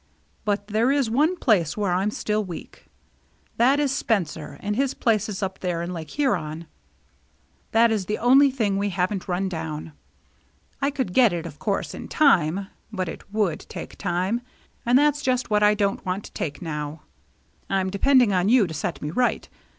But there is one place where Fm still weak, — that is Spencer and his places up there 230 THE MERRT ANNE in Lake Huron. That is the only thing we haven't run down. I could get it of course in time, but it would take time, and that's just what 1 don't want to take now. I'm depend ing on you to set me right.